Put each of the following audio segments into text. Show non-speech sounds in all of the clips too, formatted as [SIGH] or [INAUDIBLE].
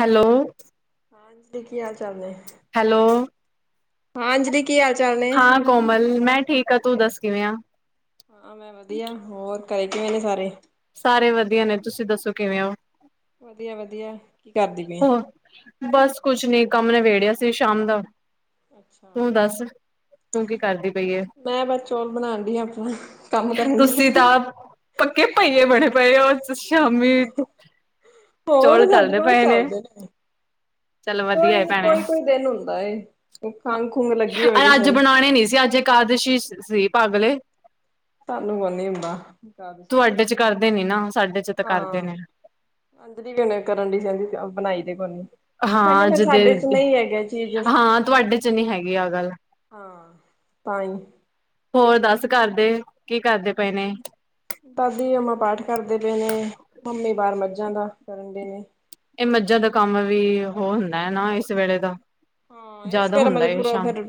Hello, ਹਾਂਜੀ, ਕੀ ਹਾਲ ਚਲ ਰਿਹਾ ਹੈ। ਹੈਲੋ ਹਾਂ ਅੰਜਲੀ, ਕੀ ਹਾਲ ਚਾਲ ਨੇ ਹਾਂ ਕੋਮਲ, ਮੈਂ ਠੀਕ ਆ ਤੂੰ ਦੱਸ ਕਿਵੇਂ ਆਂ ਆ ਮੈਂ ਵਧੀਆ, ਹੋਰ ਘਰੇ ਕਿਵੇਂ ਨੇ ਸਾਰੇ? ਸਾਰੇ ਵਧੀਆ ਨੇ, ਤੁਸੀਂ ਦੱਸੋ ਕਿਵੇਂ ਹੋ? ਵਧੀਆ, ਵਧੀਆ ਕੀ ਕਰਦੀ ਪਈ। ਹੋ ਬਸ ਕੁਛ ਨੀ ਕੰਮ ਨਵੇੜਿਆ ਸੀ ਸ਼ਾਮ ਦਾ, ਅੱਛਾ। ਤੂੰ ਦੱਸ ਤੂੰ ਕੀ ਕਰਦੀ ਪਈ ਏ? ਮੈਂ ਬਸ ਚੋਲ ਬਣਾਉਣ, ਡਈ ਆ ਆਪਣਾ ਕੰਮ ਕਰਨ ਡਈ ਤੁਸੀਂ ਆ। ਤਾਂ ਪੱਕੇ ਪਈਏ ਬੜੇ ਪਏ ਹੋ ਸ਼ਾਮੀ, ਚੌਲ ਹੋਰ ਸਾਡੇ ਗਲਦੇ ਰੋਜ਼ ਪਏ ਨੇ। ਚੱਲਦੇ ਚਲ ਵਧੀਆ, ਕੋਈ ਭੈਣੇ ਕੋਈ ਕੋਈ ਦਿਨ ਹੁੰਦਾ ਏ ਖੰਘ ਖੁੰਘ ਲੱਗੀ ਹੋਵੇ ਕਿਸੇ ਅੱਜ ਨੂੰ ਬਣਾਉਣੇ ਨੀ ਸੀ ਅੱਜ ਇਕਾਦਸ਼ੀ ਸੀ ਭਾਗਲੇ, ਤੁਹਾਨੂੰ ਔ ਨੀ ਹੁੰਦਾ ਤੁਹਾਡੇ ਕਰਦੇ ਨੀ ਨਾ, ਸਾਡੇ ਚ ਤਾਂ ਕਰਦੇ ਨੇ ਸੋਚਦੀ ਵੀ ਹੁਣੇ ਕਰਨ ਡੀ ਸੈਂਡਵਿਚ, ਆਪ ਬਣਾਈ ਦੇ ਕੋੂੰ ਨੀ ਹਾਂ ਅੱਜ ਤੇ, ਹਾਂ ਤੁਹਾਡੇ ਚ ਨਹੀਂ ਹੈਗੀ ਔ ਗੱਲ ਹਾਂ, ਤਾਂ ਹੀ ਹੋਰ ਦੱਸ ਘਰ ਦੇ, ਕੀ ਕਰਦੇ ਪਏ ਨੇ ਦਾਦੀ ਮੰਮਾ ਪਾਠ ਕਰਦੇ ਪਏ ਨੇ, ਮੰਮੀ ਬਾਹਰ ਮੱਝਾਂ ਦਾ ਕਰਨ ਡੇ ਨੇ। ਇਹ ਮੱਝਾਂ ਦਾ ਕੰਮ ਵੀ ਉਹ ਹੁੰਦਾ ਹੈ ਨਾ, ਇਸ ਵੇਲੇ ਦਾ ਹਾਂ ਇਸ ਜ਼ਿਆਦਾ ਵੇਲੇ ਹੁੰਦਾ ਮਤਲਬ ਪੂਰਾ ਸ਼ਾਮ, ਫਿਰ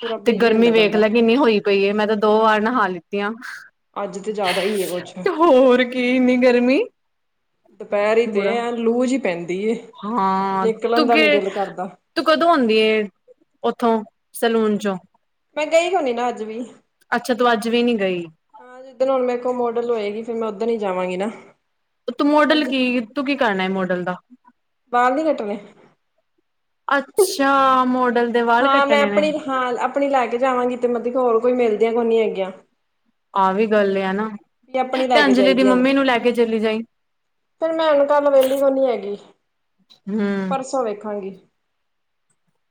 ਪੂਰਾ ਤੇ ਬਿਜੀ ਗਰਮੀ ਹੁੰਦਾ ਵੇਖ ਬੰਦਾ ਲੈ ਕਿੰਨੀ ਹੋਈ ਪਈ ਹੈ, ਮੈਂ ਤਾਂ ਦੋ ਵਾਰ ਨਹਾ ਲਿੱਤੀ ਆਂ, ਅੱਜ ਤੇ ਜ਼ਿਆਦਾ ਹੀ ਹੈ ਕੁਛ ਤੇ ਹੋਰ ਫਿਰ ਇੰਨੀ ਗਰਮੀ ਦੁਪੈਹਰੀ ਤੇ, ਬੁਰਾ ਐ ਲੂ ਜੀ ਪੈਂਦੀ ਏ। ਹਾਂ ਨਿਕਲਣ ਦਾ ਤੂੰਕੇ ਨੀ ਦਿਲ ਕਰਦਾ ਤੂੰ ਕਦੋਂ ਆਉਂਦੀ ਐ, ਉੱਥੋਂ ਸੈਲੂਨ ਚੋਂ। ਮੈਂ ਗਈ ਕੋਈ ਨਾ, ਅੱਜ ਵੀ। ਅੱਛਾ ਤੂੰ ਅੱਜ ਵੀ ਨੀ ਗਈ ਹਾਂ ਜਿੱਸ ਦਿਨ ਹੁਣ ਮੇਰੇ ਕੋਲ ਮੋਡਲ ਹੋਏਗੀ ਨਾ, ਫਿਰ ਮੈਂ ਔ ਦਿਨ ਹੀ ਜਾਵਾਂਗੀ ਨਾ। ਤੂੰ ਮੋਡਲ ਅੱਜ ਕੀ, ਤੂੰ ਕੀ ਕਰਨਾ ਹੈ ਮੋਡਲ ਦਾ ਬਾਲ ਨੀ ਕੱਟਣੇ ਅੱਛਾ, ਮੋਡਲ ਦੇ ਵਾਲ ਹਾਂ ਮੈਂ ਕੱਟਣੇ ਨੇ ਆਪਣੀ ਹਾਂ ਆਪਣੀ ਲੈ ਕੇ ਜਾਵਾਂਗੀ, ਤੇ ਮਤਲਬ ਕਿ ਹੋਰ ਕੋਈ ਮਿਲਦੀਆਂ ਕੁ ਨ ਹੈਗੀਆਂ। ਆਹ ਵੀ ਗੱਲ ਏ ਨਾ, ਆਪਣੀ ਲੈ ਤੇ ਕੇ ਅੰਜਲੀ ਦੀ ਜਾਈਦੀਆਂ ਨੇ ਮੰਮੀ ਨੂੰ ਲੈ ਕੇ ਚਲੀ ਜਾਈ। ਫਿਰ ਮੈਂ ਹੁਣ ਕੱਲ ਵਿਹਲੀ ਕੋਨੀ ਹੈਗੀ, ਹੂੰ ਪਰਸੋਂ ਵੇਖਾਂਗੀ।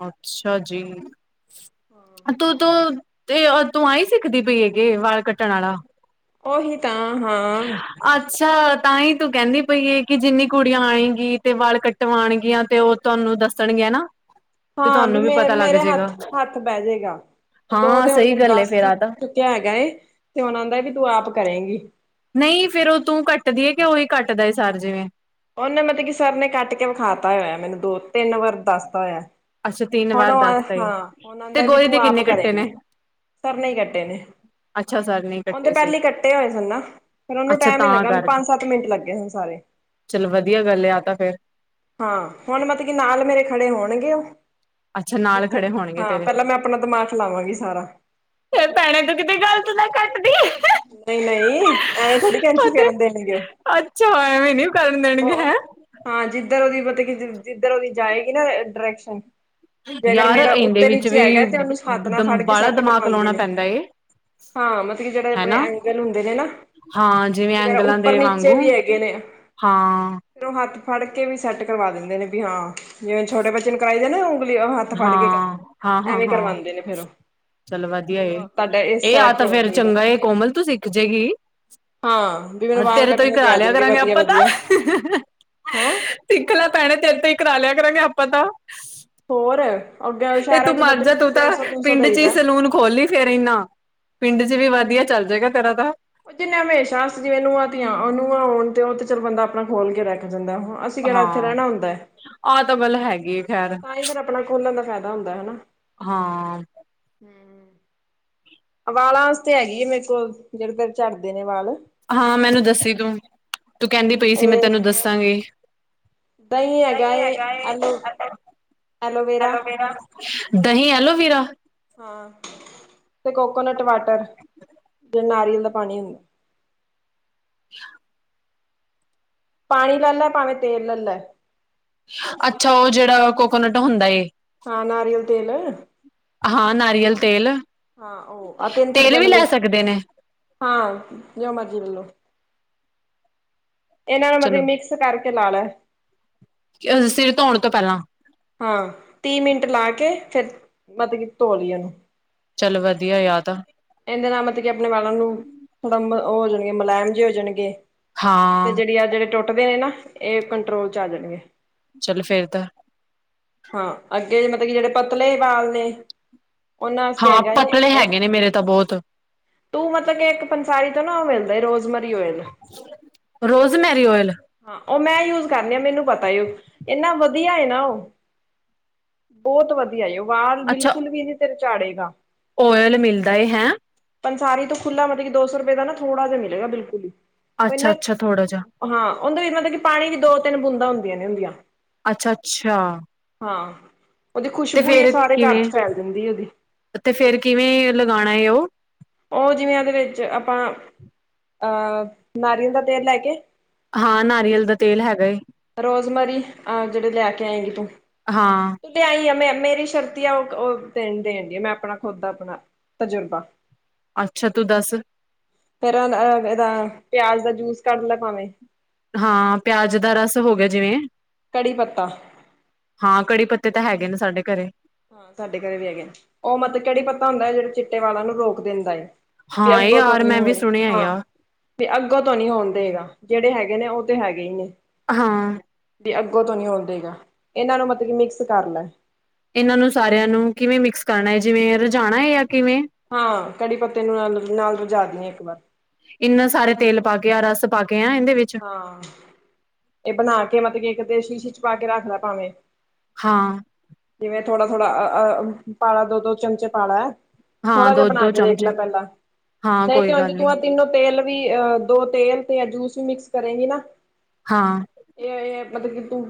ਅੱਛਾ ਜੀ, ਤੁ ਤੂੰ ਤੇ ਤੂੰ ਆਈ ਸਿੱਖਦੀ ਪਈ ਹੈਗੀ, ਵਾਲ ਕੱਟਣ ਵਾਲਾ ਔ ਹੀ ਤਾਂ, ਹਾਂ ਅੱਛਾ ਤਾਂ ਹੀ ਤੂੰ ਕਹਿੰਦੀ ਪਈ ਹੈ, ਕਿ ਜਿੰਨੀ ਕੁੜੀਆਂ ਆਏਗੀ ਤੇ ਵਾਲ ਕੱ ਕਟ ਵਾਣਗੀਆਂ, ਤੇ ਉਹ ਤੁਹਾਨੂੰ ਦੱਸਣਗੀਆਂ ਨਾ ਤੇ ਹਾਂ ਵੀ ਤੁਹਾਨੂੰ ਮੇ ਪਤਾ ਲੱਗ ਮੇਰੇ ਹੱਥ ਜੇਗਾ। ਹੱਥ ਬਹਿ ਜਾਏਗਾ, ਉਦੋ ਹਾਂ ਤੇ ਹੁਣ ਸਹੀ ਮੈਨੂੰ ਗੱਲ ਏ ਦੱਸ ਫੇਰ ਆ ਤਾਂ ਚੁੱਕ ਹੈਗਾ ਏ, ਤੇ ਔਨਾਦਾ ਐ, ਕੀ ਤੂੰ ਆਪ ਕਰੇਂਗੀ। ਨਹੀਂ ਫੇਰ ਉਹ ਤੂੰ ਕੱਟਦੀ ਹੈ, ਕਿ ਉਹੀ ਕੱਟਦਾ ਸਰ ਜਿਵੇਂ। ਉਹਨੇ ਮਤਲਬ ਕਿ ਸਰ ਨੇ ਕੱਟ ਕੇ ਵਿਖਾ ਤਾ ਹੋਇਆ, ਮੈਨੂੰ ਦੋ ਤਿੰਨ ਵਾਰ ਦੱਸਦਾ ਹੋਇਆ ਅੱਛਾ ਤਿੰਨ ਹੁਣ ਵਾਰ ਉਹ ਆ, ਦੱਸਤਾ ਏ। ਹਾ ਹੁਣ ਤੇ ਆਂਦਾ ਬਈ ਗੋਰੀ ਦੇ ਤੂੰ ਆਪ ਕਿੰਨੇ ਕੱਟੇ ਕਰੇਗੀ, ਨੇ ਪਰ ਨਹੀ ਕੱਟੇ ਨੇ। ਅੱਛਾ ਸਰ ਨਹੀ ਉਹਦੇ ਪਹਿਲੇ ਇਕੱਟੇ ਹੋਏ ਸਨ ਨਾ, ਫਿਰ ਉਹਨੂੰ ਅੱਛਾ ਟਾਈਮ ਹੀ ਤਾਂ ਲੱਗਾ, ਉਹਨੂੰ ਕਰਕੇ। ਪੰਜ ਸੱਤ ਮਿੰਟ ਲੱਗੇ ਸਨ, ਸਾਰੇ। ਚਲੋ ਵਧੀਆ ਗੱਲ ਆ ਤਾਂ ਫੇਰ ਹਾਂ ਹੁਣ ਮਤਲਬ ਕੀ ਨਾਲ ਮੇਰੇ ਖੜੇ ਹੋਣਗੇ ਉਹ ਅੱਛਾ ਨਾਲ ਜਿੱਥੇ ਖੜੇ ਹੋਣਗੇ ਹਾਂ ਤੇਰੇ। ਪਹਿਲਾਂ ਮੈਂ ਆਪਣਾ ਦਿਮਾਗ ਲਾਵਾਂਗੀ ਸਾਰਾ ਫਰ ਭੈਣੇ ਤੋਂ ਕਿਤੇ ਗੱਲਤ ਨਾ ਕੱਟਦੀ ਨਹੀਂ ਨਹੀਂ ਐਂ ਥੋੜੀ ਕੈਂਚੀ ਉਹ ਤੇ ਫਿਰਨ ਦੇਣਗੇ ਉਹ ਅੱਛਾ, ਐਵੇਂ ਨੀ ਔ ਕਰਨ ਦੇਣਗੇ ਹੈਂ ਉਹ ਹਾਂ ਜਿੱਧਰ ਉਹਦੀ, ਮਤਲਬ ਕਿ ਜਿੱਧਰ ਉਹਦੀ ਜਾਏਗੀ ਨਾ ਡਾਇਰੈਕਸ਼ਨ। ਜੇ ਅਗਰ ਯਾਰ ਮੇਰਾ ਇਹਦੇ ਉੱਤੇ ਵਿੱਚ ਨੀਚੇ ਵੀ ਹੈਗਾ, ਤੇ ਉਹਨੂੰ ਹੱਥ ਨਾਲ ਦਮ ਫੜ ਕੇ ਬਾਹਲਾ ਸੈੱਟ ਦਿਮਾਗ ਕਰਵਾਉਂਦੇ ਲਾਉਣਾ ਨੇ ਪੈਂਦਾ ਏ ਹਾਂ ਮਤਲਬ ਕੀ ਜਿਹੜੇ ਆਪਣੇ ਹੈਨਾ ਐਂਗਲ ਹੁੰਦੇ ਨੇ ਨਾ, ਹਾਂ ਜਿਵੇਂ ਜਿਵੇੰ ਐਂਗਲਾਂ ਉੱਪਰ ਦੇ ਨੀਚੇ ਵਾਂਗੂ ਵੀ ਹੈਗੇ ਨੇ ਹਾਂ ਫਿਰ ਔ ਹੱਥ ਫੜ ਕੇ ਵੀ ਸੈਟ ਕਰਵਾ ਦਿੰਦੇ ਨੇ, ਵੀ ਹਾਂ ਜਿਵੇਂ ਛੋਟੇ ਬੱਚੇ ਨੂੰ ਕਰਾਈ ਦੇ ਨੇ, ਉਂਗਲੀ ਹੱਥ ਫੜ ਕੇ ਕੰਮ ਹਾਂ ਹਾਂ ਹਾਂ ਐਵੇਂ ਹਾਂ ਕਰਵਾਉਂਦੇ ਨੇ ਫੇਰ ਉਹ ਚੱਲ ਵਧੀਆ ਵੀ ਇਹ, ਉਹ ਤੁਹਾਡਾ ਇਸ ਏ ਆਹ ਸਾਈਡ ਤਾਂ ਤੇ ਹੋਣਾ ਫੇਰ ਚਾਹੀਦਾ ਚੰਗਾ, ਕੋਮਲ ਤੂੰ ਸਿੱਖ ਜੁਗੀ ਹਾਂ ਵੀ ਮੈਨੂੰ ਹਾ, ਵਾਲ ਤੇਰੇ ਤੋਂ ਹੀ ਕੱਟਣੇ ਤੇ ਕਰਾ ਆ ਲਿਆ ਜਾਣਗੇ ਕਰਾਂਗੇ, ਆਪਾਂ ਤਾਂ ਵਧੀਆ-ਵਧੀਆ ਹੈਂ ਸਿੱਖ ਲੈ ਭੈਣੇ, ਤੇਰੇ ਤੋਂ ਹੀ ਕਰਾ ਲਿਆ ਕਰਾਂਗੇ ਆਪਾਂ ਤਾਂ। ਹੋਰ ਅੱਗੇ ਇਹ ਸ਼ਹਿਰਾਂ ਤੂੰ ਚ ਮਰ ਮਤਲਬ ਜਾ ਕਿ ਤੂੰ ਤਾਂ ਤਿੰਨ ਸੌ ਤਿੰਨ ਸੌ ਪਿੰਡ ਚ ਹੀ ਦਈਦਾ। ਸਲੂਨ ਖੋਲਲੀ ਫੇਿਰ ਇਨਾ ਪਿੰਡ ਚ ਵੀ ਵਧੀਆ ਚੱਲ ਜਾਏਗਾ ਤੇਰਾ ਤਾਂ ਉਹ ਜਿੰਨੇ ਹਮੇਸ਼ਾ ਜਿਵੇਂ ਨੂੰਅ ਤੀਆ, ਨੂਆ ਆਉਣ ਤੇ ਉਹ ਤੇ ਚਲ ਬੰਦਾ ਆਪਣਾ ਖੋਲ ਕੇ ਰੱਖ ਜਾਂਦਾ ਅਸੀਂ ਕਿਹੜਾ ਇੱਥੇ ਹਾਂ ਰਹਿਣਾ ਹੁੰਦਾ ਹੈ, ਆ ਤਾਂ ਗੱਲ ਹੈਗੇ ਤਾਂ ਹੀ ਫੇਿਰ ਆਪਣਾ ਖੋਲਣ ਦਾ ਫ਼ਾਇਦਾ ਹੁੰਦਾ ਹਨਾ ਹਾਂ ਹਮ ਵਾਲਾਂ ਵਾਸਤੇ ਹੈਗੀ ਆ ਮੇਰੇ ਕੋਲ ਜਿਹੜੇ ਫੇਰੇ ਝੜਦੇ ਨੇ ਵਾਲ ਹਾਂ ਮੈਨੂੰ ਦੱਸੀ ਤੂੰ ਤੂੰ ਕਹਿੰਦੀ ਪਈ ਸੀ ਮੈਂ ਇਹ ਤੈਨੂੰ ਦੱਸਾਂਗੀ ਦਹੀਂ ਸਹੀ ਏ ਹੈਗਾ ਹੈ ਐਲੋ ਐਲੋਵੇਰਾ ਦਹੀਂ ਐਲੋਵਰਾ ਹਾਂ ਤੇ ਕੋਕੋਨਟ ਵਾਟਰ ਜਿ ਨਾਰੀਅਲ ਦਾ ਪਾਣੀ ਹੁੰਦਾ [INAUDIBLE] ਪਾਣੀ ਲੈ ਲੈ ਭਾਵੇਂ ਤੇਲ ਲੈ ਲੈ ਅੱਛਾ ਉਹ ਜਿਹੜਾ ਕੋਕੋਨਟ ਹੁੰਦਾ ਏ ਹਾਂ ਨਾਰੀਅਲ ਤੇਲ ਹਾਂ ਨਾਰੀਅਲ ਤੇਲ ਹਾਂ ਉਹ ਆਹ ਤਿੰਨ ਤੇਲ ਚੀਜ਼ਾਂ ਵੀ ਨੂੰ ਲੈ ਮਿਕਸ ਸਕਦੇ ਨੇ ਹਾਂ ਜੋ ਮਰਜੀੀ ਲੇਲੋ ਇਹਨਾਂ ਨੂੰ ਮਲਬ ਚਲੋ ਮਿਕਸ ਕਰਕੇ ਲਾ ਲੈ ਸਿਰ ਧੋਣ ਤੋਂ ਪਹਿਲਾਂ ਹਾਂ ਤੀਹ ਮਿੰਟ ਲਾ ਕੇ ਫੇਿਰ ਮਤਲਬ ਕਿ ਧੋਲੀ ਉਹਨੂੰ ਚੱਲ ਵਧੀਆ ਯਾਦ ਆ ਇਹਦੇ ਨਾਲ ਮਤਲਬ ਕਿ ਆਪਣੇ ਵਾਲਾਂ ਨੂੰ ਥੋੜਾ ਉਹ ਹੋ ਜਾਣਗੇ ਮੁਲਾਇਮ ਜਿ ਹੋ ਜਾਣਗੇ ਤੇ ਹਾਂ ਜਿਹੜੀ ਆ ਜਿਹੜੇ ਟੁੱਟਦੇ ਨੇ ਨਾ ਇਹ ਕੰਟਰੋਲ ਚ ਆ ਜਾਣਗੇ ਚੱਲ ਫੇਰ ਤਾਂ ਹਾਂ ਅੱਗੇ ਮਤਲਬ ਕਿ ਜਿਹੜੇ ਪਤਲੇ ਵਾਲ ਨੇ ਉਹਨਾਂ ਵਾਸਤੇ ਹਾਂ ਹੈਗਾ ਹੈ ਪਤਲੇ ਇਹ ਹੈਗੇ ਨੇ ਮੇਰੇ ਤਾਂ ਬਹੁਤ ਤੂੰ ਮਤਲਬ ਕਿ ਇੱਕ ਪੰਸਾਰੀ ਤੋਂ ਨਾ ਮਿਲਦਾ rosemary oil rosemary oil ਹਾਂ ਉਹ ਮੈਂ ਯੂਜ ਕਰਨਿ ਆ ਮੈਨੂੰ ਪਤਾ ਉਹ ਇੰਨਾ ਵਧੀਆ ਨਾ ਉਹ ਬਹੁਤ ਵਧੀਆ ਉਹ ਵਾਰ ਅੱਛਾ ਬਿਲਕੁਲ ਵੀ ਨੀ ਤੇਰੇ ਚਾੜੇਗਾ ਓਇਲ ਮਿਲਦਾ ਏ ਹੈਂ ਪੰਸਾਰੀ ਤੋਂ ਖੁੱਲਾ ਮਤਲਬ ਕਿ ਦੋ ਸੌ ਰੁਪਏ ਦਾ ਨਾ ਥੋੜਾ ਜਿਹਾ ਮਿਲੇਗਾ ਬਿਲਕੁਲ ਹੀ ਉਹ ਅੱਛਾ ਇਨਾ ਅੱਛਾ ਥੋੜਾ ਜਿਹਾ ਹਾਂ ਉਹਦੇ ਮਤਲਬ ਕਿ ਪਾਣੀ ਵੀ ਦੋ ਤਿੰਨ ਬੂੰਦਾਂ ਹੁੰਦੀਆਂ ਨੇ ਹੁੰਦੀਆਂ ਅੱਛਾ ਅੱਛਾ ਹਾਂ ਉਹਦੀ ਤੇ ਖੁਸ਼ਬੂ ਹੀ ਆ ਫੇਰ ਸਾਰੇ ਘਰ ਕਿਵੇਂ ਚ ਫੈਲ ਜਾਦੀ ਉਹਦੀ ਤੇ ਫੇਰ ਕਿਵੇਂ ਲਗਾਉਣਾ ਹੈ ਉਹ ਉਹ ਜਿਵੇਂ ਉਹਦੇ ਵਿੱਚ ਆਪਾਂ ਅਹ ਨਾਰੀਅਲ ਦਾ ਤੇਲ ਲੈ ਕੇ ਹਾਂ ਨਾਰੀਅਲ ਦਾ ਤੇਲ ਹੈਗਾ ਏ। ਰੋਜ਼ਮਰੀ ਆ ਜਿਹੜੇ ਲਿਆ ਕੇ ਆਏਂਗੀ ਤੂੰ ਹਾਂ ਈ ਆ ਮੈਂ ਮੇਰੀ ਸ਼ਰਤੀ ਆ ਉਹ ਦੇਣ ਦੇਣ ਡ ਆ ਮੈਂ ਆਪਣਾ ਖੁੱਦ ਆਪਣਾ ਤਜੁਰਬਾ ਅੱਛਾ ਤੂੰ ਦੱਸ ਫੇਿਰ ਇਹਦਾ ਪਿਆਜ ਦਾ ਜੂਸ ਕੱਢ ਲ ਪਾਾਵੇਂ ਹਾਂ ਪਿਆਜ ਦਾ ਰਸ ਹੋ ਗਿਆ ਜਿਵੇਂ ਕੜੀ ਪੱਤਾ ਹਾਂ ਕੜੀ ਪੱਤੇ ਤਾਂ ਹੈਗੇ ਨੇ ਸਾਡੇ ਘਰੇ ਹਾਂ ਸਾਡੇ ਘਰੇ ਵੀ ਹੈਗੇ ਉਹ ਮਤਲਬ ਕਿੜੀ ਪਤਾ ਹੁੰਦਾ ਜਿਹੜੇ ਚਿੱਟੇ ਵਾਲਾ ਨੂੰ ਰੋਕ ਦਿੰਦਾ ਹੈ ਹਾਂ ਵੀ ਇਹ ਅੱਗੋਂ ਤੋਂ ਯਾਰ ਹੀ ਮੈਂ ਵੀ ਹੋਣ ਸੁਣਿਆ ਹਾਂ ਯਾਰ ਵੀ ਅੱਗਾਂ ਤੋਂ ਨੀ ਹੋਣ ਦੇਗਾ ਜਿਹੜੇ ਹੈਗੇ ਨੇ ਉਹ ਤੇ ਹੈਗੇ ਹੀ ਨੇ ਹਾਂ ਵੀ ਅੱਗੋਂ ਤੋਂ ਨੀ ਆਲਦੇਗਾ ਇਹਨਾਂ ਨੂੰ ਮਤਲਬ ਕਿ ਮਿਕਸ ਕਰ ਲੈ ਇਹਨਾਂ ਨੂੰ ਸਾਰਿਆਂ ਨੂੰ ਕਿਵੇਂ ਮਿਕਸ ਕਰਨਾ ਹੈ ਜਿਵੇਂ ਰਝਾਣਾ ਹੈ ਜਾਂ ਕਿਵੇਂ ਹਾਂ ਕੜੀ ਪੱਤੇ ਨੂੰ ਨਾਲ ਨਾਲ ਰਜਾ ਦੀ ਹ ਇੱਕ ਵਾਰ ਇੰਨਾ ਸਾਰੇ ਤੇਲ ਪਾ ਕੇ ਆ ਰਸ ਪਾ ਕੇ ਆ ਇਹਦੇ ਵਿੱਚ ਹਾਂ ਇਹ ਬਣਾ ਕੇ ਮਤਲਬ ਕੀ ਇੱਕ ਤੇ ਸ਼ੀਸ਼ੀ ਚ ਪਾ ਕੇ ਰੱਖਲਾ ਭਾਵੇਂ। ਹਾਂ। ਜਿਵੇਂ ਥੋੜਾ ਥੋੜਾ ਅਹ ਪਾਲਾ ਦੋ ਦੋ ਚਮਚੇ ਪਾਲਾ। ਹਾਂ ਥੋੜਾ ਜਿਹਾ ਦੋ ਬਣਾ ਦੋ ਕੇ ਦੇਖਣਾ ਚਮਚੇ ਪੈਂਦਾ ਲੈ [UNINTELLIGIBLE] ਹਾਂ ਪਹਿਲਾਂ ਦੇਖ ਕੋਈ ਕੇ ਹੁ ਜ ਗੱਲ ਤੂੰ ਨੀ ਤਿੰਨੋ ਤੇਲ ਵੀ ਅਹ ਦੋ ਤੇਲ ਤੇ ਜੂਸ ਵੀ ਮਿਕਸ ਕਰੇਗੀ ਨਾ ਹਾਂ ਇਹ ਇਹ ਮਤਲਬ ਕਿ ਤੂੰ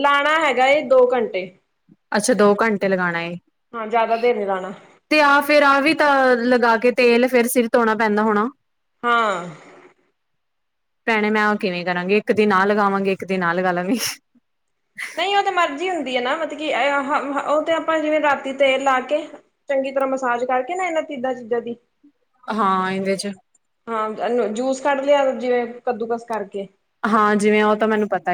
ਲਾਉਣਾ ਹੈਗਾ ਦੋ ਘੰਟੇ ਅੱਛਾ ਦੋ ਘੰਟੇ ਲਗਾਉਣਾ ਏ ਹਾਂ ਜ਼ਿਆਦਾ ਦੇਰ ਨੀ ਲਾਣਾ। ਤੇ ਆਹ ਫੇਰ ਆਹ ਵੀ ਤਾਂ ਲਗਾ ਕੇ ਤੇਲ ਫਿਰ ਸਿਰ ਧੋਣਾ ਪੈਂਦਾ ਹੋਣਾ। ਹਾਂ। ਭੈਣੇ ਮੈਂ ਆ ਕਿਵੇਂ ਕਰਾਂਗੀ ਇੱਕ ਦਿਨ ਆ ਲਗਾਵਾਂਗੀ ਇੱਕ ਦਿਨ ਆ ਲਗਾ ਲਾਂਗੀ। ਨਹੀਂ ਉਹ ਤੇ ਮਰਜ਼ੀ ਹੁੰਦੀ ਹੈ ਨਾ ਮਤਲਬ ਕਿ ਉਹ ਤੇ ਆਪਾਂ ਜਿਵੇਂ ਰਾਤੀ ਤੇਲ ਲਾ ਕੇ ਚੰਗੀ ਤਰ੍ਹਾਂ ਮਸਾਜ ਕਰਕੇ ਨਾ ਇਹਨਾਂ ਤੀਨਾ ਚੀਜ਼ਾਂ ਦੀ ਹਾਂ ਇਹਦੇ 'ਚ ਹਾਂ ਜੂਸ ਕੱਢ ਲਿਆ ਜਿਵੇਂ ਕੱਦੂਕਸ ਕਰਕੇ। ਹਾਂ ਜਿਵੇਂ ਉਹ ਤਾਂ ਮੈਨੂੰ ਪਤਾ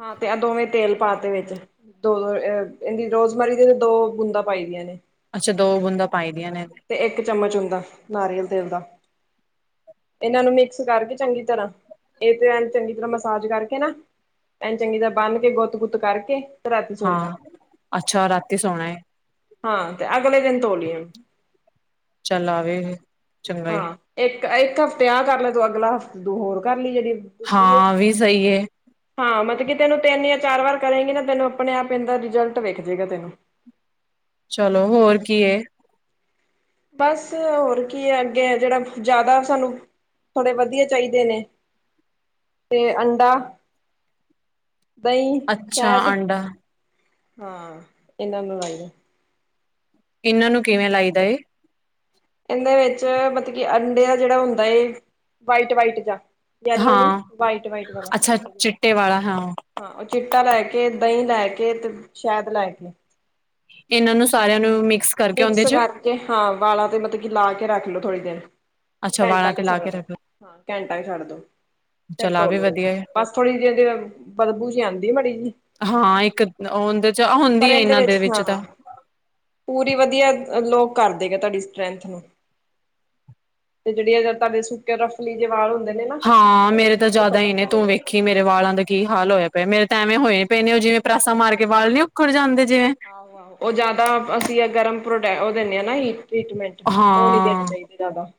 ਹਾਂ ਤੇ ਇਹ ਦੋਵੇਂ ਤੇਲ ਪਾਤੇ ਵਿੱਚ। ਦੋ ਦੋ ਅ ਏਦੀ ਰੋਜ਼ਮਾਰੀ ਦੀਆਂ ਵੀ ਦੋ ਬੂੰਦਾਂ ਪਾਈ ਦੀਆਂ ਨੇ ਅੱਛਾ ਦੋ ਬੂੰਦਾਂ ਪਾਈ ਦੀਆਂ ਨੇ ਇਹ ਤੇ ਇੱਕ ਚਮਚ ਹੁੰਦਾ ਨਾਰੀਅਲ ਤੇਲ ਦਾ ਇਹਨਾਂ ਨੂੰ ਮਿਕਸ ਕਰਕੇ ਚੰਗੀ ਤਰ੍ਹਾਂ ਇਹ ਤੇ ਚੰਗੀ ਤਰ੍ਹਾਂ ਮਸਾਜ ਕਰਕੇ ਨਾ ਐਨੁ ਚੰਗੀ ਤਰ੍ਹਾਂ ਬੰਨ ਕੇ ਗੁੱਤ ਗੁੱਤ ਕਰਕੇ। ਤੇ ਰਾਤੀ ਸੋ ਜਾ ਹਾਂ ਅੱਛਾ ਰਾਤੀ ਸੋਣਾ ਏ। ਹਾਂ ਤੇ ਅਗਲੇ ਦਿਨ ਧੋ ਲਿਓ। ਚਲਾ ਆਵੇ, ਚੰਗਾ ਏ ਹਾਂ ਇੱਕ ਇੱਕ ਹਫ਼ਤੇ ਆਹ ਕਰ ਲੈ ਤੂੰ ਅਗਲਾ ਹਫ਼ਤਾ ਤੂੰ ਹੋਰ ਕਰ ਲਈ ਜਿਹੜੀ ਦੂਜੀ ਏ ਹਾਂ ਵੀ ਸਹੀ ਹੈ। ਹਾਂ ਮਤਲਬ ਕਿ ਤੈਨੂੰ ਤਿੰਨ ਜਾਂ ਚਾਰ ਵਾਰ ਕਰੇਗੀ, ਨਾ ਤੈਨੂੰ ਆਪਣੇ ਆਪ ਇਦਾ ਰਿਜਲਟ ਵੇਖ ਜੇਗਾ ਤੈਨੂੰ ਚਲੋ ਹੋਰ ਕੀ ਐ। ਬਸ ਹੋਰ ਕੀ ਹੈ, ਅੱਗੇ ਜਿਹੜਾ ਜ਼ਿਆਦਾ ਸਾਨੂੰ ਥੋੜੇ ਵਧੀਆ ਚਾਹੀਦੇ ਨੇ, ਤੇ ਅੰਡਾ ਦਹੀਂ, ਅੱਛਾ ਸ਼ਹਿਦ ਆਂਡਾ ਹਾਂ, ਇਹਨਾਂ ਨੂੰ ਲਾਈਏ। ਇਹਨਾਂ ਨੂੰ, ਕਿਵੇਂ ਲਾਈਦਾ ਏ? ਇਂਹਦੇ ਵਿੱਚ ਮਤਲਬ ਕਿ ਅੰਡੇ ਦਾ ਜਿਹੜਾ ਹੁੰਦਾ ਹੈ, ਵਾਈਟ-ਵਾਈਟ ਜਾ। ਯੋਲੋ ਨੀ, ਹਾਂ ਵਾਈਟ-ਵਾਈਟ ਵਾਲਾ, ਅੱਛਾ ਚਿੱਟਾ-ਚਿੱਟਾ। ਚਿੱਟੇ ਵਾਲਾ ਹਾਂ ਹਾਂ ਉਹ ਚਿੱਟਾ ਲੈ ਕੇ ਦਹੀਂ, ਲੈ ਕੇ ਤੇ ਸ਼ਹਦ ਲੈ ਕੇ। ਇਹਨਾਂ ਨੂੰ ਸਾਰਿਆਂ ਨੂੰ ਮਿਕਸ, ਕਰਕੇ ਮਿਕਸ ਉਹਦੇ ਚ ਕਰਕੇ ਹਾਂ ਵਾਲਾਂ ਤੇ ਮਤਲਬ ਕਿ ਲਾ ਕੇ ਰੱਖ ਲਓ ਥੋੜ੍ਹੀ ਦੇਰ। ਅੱਛਾ ਘੰਟਾ ਵਾਲਾਂ ਤੇ ਕੁ ਲਾ ਛੱਡ ਕੇ ਦੋ ਰੱਖ ਹਾਂ ਘੰਟਾ ਕ ਛੱਡ ਦੋ। ਫਿਰ ਚੱਲ ਆ ਤੋ ਵੀ ਲੋ ਵਧੀਆ ਏ ਬਸ ਥੋੜੀ ਜਿਹੀ ਬਦਬੂ ਜੀ ਆਂਦੀ ਆ ਮਾੜੀ ਜੀ ਹਾਂ ਇੱਕ ਉਹ ਉਹਦੇ ਪਰ ਹੁੰਦੀ ਆ ਇਹਦੇ ਇਹਨਾਂ ਦੇ ਵਿੱਚ ਹਾਂ ਤਾਂ ਪੂਰੀ ਵਧੀਆ ਲੋ ਕਰਦੇ ਗ ਤੁਹਾਡੀ ਸਟਰ੍ਰੈਂਥ ਨੂੰ ਤੇ ਜਿਹੜੀ ਜ ਤੁੇ ਸੁੱਕਿਆ ਰਫਲੀ ਜੇ ਹੁੰਦੇ ਨੇ ਨਾ ਹਾਂ ਡਰਾਈਨੈਸ ਮੇਰੇ ਤਾਂ ਉਹਨੂੰ ਜ਼ਿਆਦਾ ਹੀ ਖ਼ਤਮ ਨੇ ਤੂੰ ਕਰੇਗਾ ਵੇਖੀ ਕਿ ਮੇਰੇ ਵਾਲਾਂ ਦਾ ਕੀ ਹਾਲ ਹੋਇਆ ਪਿਆ ਮੇਰੇ ਤਾਂ ਐਵੇਂ ਹੋਏ ਨ ਪਏ ਨੇ ਉਹ ਜਿਵੇਂ ਪ੍ਰੈਸਾਂ ਮਾਰ ਕੇ ਵਾਲ ਨੀ ਉੱਖੜ ਜਾਂਦੇ ਜਿਵੇਂ ਆਹ ਉਹ ਜ਼ਿਆਦਾ ਅਸੀਂ ਗਰਮ ਉਹ ਦਿੰਦੇ ਹਾਂ ਨਾ ਹੀ ਟਰੀਟਮੈਂਟ ਉਹ ਨੀ ਦੇਣੇ ਹਾਂ ਚਾਹੀਦਾ। ਦਾ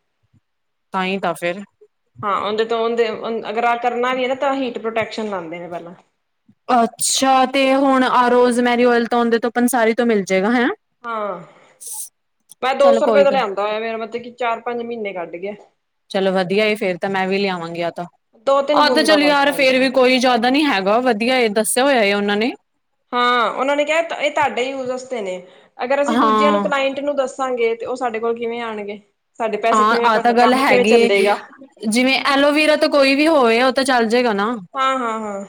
ਤਾਂ ਹੀ, ਤਾਂ ਫੇਰ ਹਾਂ, ਉਹਦੇ, ਤੋਂਦੇ ਅਗਰ ਆਹ ਕਰਨਾ ਵੀ ਹੈ ਨਾ, ਤਾਂ ਹੀਟ ਪ੍ਰੋਟੈਕਸ਼ਨ ਲਾਦੇ ਨੇ ਪਹਿਲਾਂ। ਅੱਛਾ। ਤੇ ਹੁਣ, ਆ ਰੋਜ਼ਮੈਰੀ ਓਇਲ ਤੋਂ ਆਂਦੋ ਤੋਂ ਪੰਸਾਰੀ ਤੋਂ ਮਿਲ ਜੇਗਾ ਹੈਂ। ਹਾਂ, ਮੈਂ ਚਲ ਦੋ-ਸੌ ਰੁਪਏ ਕੋਈ ਦਾ ਗੱਲ ਲਿਆਂਦਾ ਹੋਇਆ, ਮੇਰਾ ਮਤਲਬ ਕੀ ਚਾਰ-ਪੰਜ ਮਹੀਨੇ ਕੱਢ ਗਿਆ। ਚਲੋ ਵਧੀਆ ਈ, ਫੇਰ ਤਾਂ ਮੈਂ ਵੀ ਲਿਆਵਾਂਗੀ ਆ, ਤਾ। ਦੋ ਤਿੰਨ ਅੱਗ ਬੂੰਦਾ ਚੱਲ ਬਸ ਯਾਰ ਪਾਈ ਫਿਰ ਦੀਆਂ ਵੀ ਕੋਈ ਜ਼ਿਆਦਾ ਨੀ ਹੈਗਾ, ਵਧੀਆ ਇਹ ਦੱਸਿਆ ਹੋਇਆ ਹੈ ਉਹਨਾਂ ਨੇ ਹਾਂ, ਉਹਨਾਂ ਨੇ ਕਿਹਾ ਇਹ ਤੁਹਾਡੇ ਯੂਜ ਅਸਤੇ ਨੇ, ਅਗਰ ਅਸੀਂ ਦੂਜਿਆਂ ਨੂੰ ਹਾਂ ਕਲਾਈੰਟ ਨੂੰ ਦੱਸ ਦੱਸਾਂਗੇ ਤੇ, ਉਹ ਸਾਡੇ ਕੋਲ ਕਿਵੇਂ ਆਣਗੇ, ਸਾਡੇ ਪੈਸੇ ਹਾਂ ਕਿਵੇਂ ਆਹ ਤਾਂ ਬਣਨ, ਗੱਲ ਕੰਮ ਕਿਵੇਂ ਹੈਗੀ ਏ ਚੱਲੇਗਾ। ਜਿਵੇਂ, ਐਲੋਵਰਾ ਤੋਂ ਕੋਈ ਵੀ ਹੋਵੇ, ਉਹ ਤਾਂ ਚੱਲ ਜਾਏਗਾ ਨਾ। ਹਾਂ, ਹਾਂ, ਹਾਂ।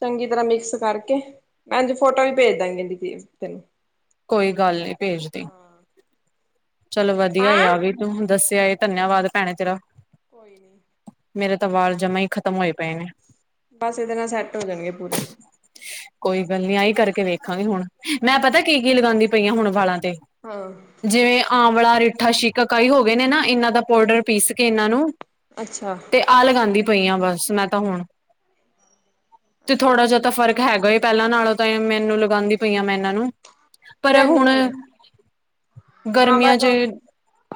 ਚੰਗੀ ਤਰ੍ਹਾਂ ਮਿਕਸ ਕਰਕੇ, ਐਂਜ ਫੋਟੋ ਵੀ ਭੇਜ ਦਾਂਗੀ ਤੈਨੂੰ ਕੋਈ ਗੱਲ ਨੀ, ਭੇਜਦੀ। ਹਾਂ ਚਲੋ ਵਧੀਆ ਈ ਹੈਂ ਆਗੀ ਤੂੰ ਦੱਸਿਆ, ਧੰਨਆਵਾਦ ਭੈਣੇ ਤੇਰਾ। ਕੋਈ ਨੀ। ਮੇਰੇ ਤਾ ਵਾਲ ਜਮਾ ਹੀ ਖ਼ਤਮ ਹੋਏ ਪਏ ਨੇ। ਬਸ ਇਹਦੇ ਨਾਲ ਸੈੱਟ ਹੋ ਜਾਣਗੇ ਪੂਰੇ। ਕੋਈ ਗੱਲ ਨੀ ਆਈ ਕਰਕੇ ਵੇਖਾਂਗੇ ਹੁਣ, ਮੈਂ ਪਤਾ ਕੀਕੀ ਲਗਾਂਦੀ ਪਈਆਂ, ਹੁਣ ਵਾਲਾਂ ਤੇ। ਹਾਂ ਜਿਵੇਂ ਆਂਵਲਾ, ਰੀਠਾ ਸ਼ੀਕਾਕਾਈ ਹੋ ਗਏ ਨੇ ਨਾ, ਇਹਨਾਂ ਦਾ ਪਾਊਡਰ ਪੀਸਕੇ ਇਹਨਾਂ ਨੂੰ ਅੱਛਾ। ਆਹ ਲਗਾਂਦੀ ਪਈ ਆਂ, ਬਸ ਮੈਂ ਤਾਂ ਹੁਣ, ਤੇ ਥੋੜਾ ਜਾ ਤਾਂ ਫ਼ਰਕ ਹੈਗਾ, ਪਹਿਲਾਂ ਨਾਲੋਂ ਤਾਂ ਮੈਨੂੰ ਲਗਾਂਦੀ ਪਈਆਂ ਮੈਂ ਇਹਨਾਂ ਨੂੰ, ਪਰ ਲਿਆਨੀ ਹੁਣ ਆ ਹੁਣੇ ਹਾਂ ਬਸ ਗਰਮੀਆਂ'ਚ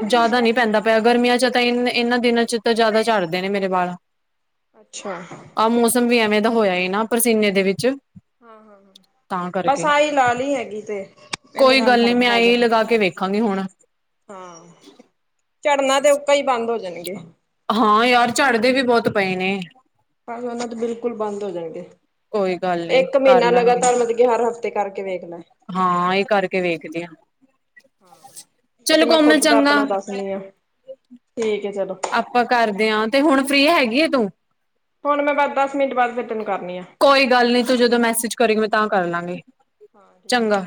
ਜ਼ਿਆਦਾ ਨੀ ਪੈਂਦਾ ਪਿਆ। ਗਰਮੀਆਂ' ਚ ਤਾਂ ਇਹ, ਇਹਨਾਂ ਦਿਨਾਂ'ਚ ਤਾ ਜਿਆਦਾ ਝੜਦੇ ਨੇ ਮੇਰੇ ਵਾਲ, ਅੱਛਾ ਹਾਂ ਆ, ਮੌਸ ਮ ਵੀ ਐਵੇਂ ਦਾ ਹੋਇਆ ਹੀ ਨਾ, ਪਸੀਨੇ ਦੇ ਵਿੱਚ। ਹਾਂ-ਹਾਂ-ਹਾਂ, ਤਾਂ ਬਸ ਕਰਕੇ ਆਹੀ ਲਾ ਲਈ ਹੈਗੀ ਤੇ। ਇਹਦੇ ਕੋਈ ਨਾਲ ਹੀ ਗੱਲ ਨੀ, ਫ਼ਰਕ ਮੈਂ ਪੈ ਆਈ ਜਾਣਾ ਲਗਾਕੇ ਵੇਖਾਂਗੀ ਹੁਣ। ਹਾਂ, ਝੜਨਾ ਤੇ ਉੱਕਾ ਹੀ ਬੰਦ ਹੋ ਜਾਣਗੇ। ਹਾਂ ਯਾਰ, ਝੜਦੇ ਵੀ ਬਹੁਤ ਪਏ ਨੇ। ਪਰ ਉਹਨਾਂ ਦੇ ਬਿਲਕੁਲ ਬੰਦ ਹੋ ਜਾਣਗੇ। ਕੋਈ ਗੱਲ ਨੀ ਇੱਕ ਕਰ ਮਹੀਨਾ ਲਾਂਗੇ ਲਗਾਤਾਰ ਮਤਲਬ ਕਿ, ਹਰ ਹਫ਼ਤੇ ਕਰਕੇ ਵੇਖਲਾ। ਹਾਂ, ਇਹ ਕਰਕੇ ਵੇਖਦੇ ਹਾਂ। ਇਹ ਤੇ ਮੈਂ ਖੁੱਦ ਦਾ ਚੰਗਾ ਆਪਣਾ ਦੱਸਨੀ ਆ, ਠੀਕ ਹੈ ਚਲੋ। ਆਪਾਂ ਕਰਦੇ ਆਂ, ਤੇ ਹੁਣ ਫ੍ਰੀ ਹੈਗੀਏ, ਤੂੰ? ਹੁਣ ਮੈਂ ਬੱਸ, ਦਸ ਮਿੰਟ ਬਾਅਦ ਫਿਰ ਤੇਨੂੰ ਕਰਨੀ ਆ। ਕੋਈ ਗੱਲ ਨਹੀਂ ਤੂੰ ਜਦੋਂ ਮੈਸੇਜ ਕਰੇਗੀ, ਮੈਂ ਤਾਂ ਕਰ ਲਾਂਗੀ। ਹਾਂ ਠੀਕ। ਚੰਗਾ